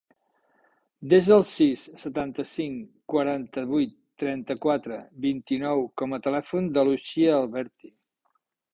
Desa el sis, setanta-cinc, quaranta-vuit, trenta-quatre, vint-i-nou com a telèfon de l'Uxia Alberti.